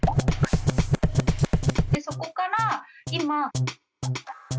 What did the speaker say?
そこから今。